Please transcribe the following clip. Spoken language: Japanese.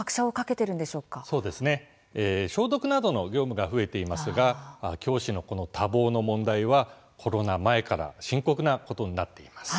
消毒などの業務が増えていますが教師の多忙の問題はコロナ前から深刻な問題となっています。